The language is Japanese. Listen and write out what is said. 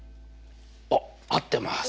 あっ合ってます！